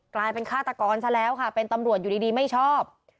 กลายเป็นฆาตกรซะแล้วค่ะเป็นตำรวจอยู่ดีไม่ชอบ